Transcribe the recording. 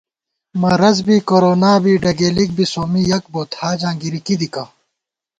مرَض بی، کُرونا بی، ڈگېلِک بی سومّی یَک بوت حاجاں گِری کی دِکہ